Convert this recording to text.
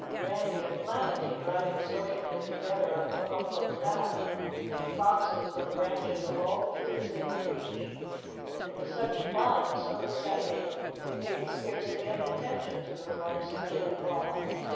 Randy and Planetty, riding sociably together on Kabumpo's back, picked boxes from branches of all the trees they could reach, and it was such fun and so exciting they paid scarcely any attention to the remarks of Chillywalla.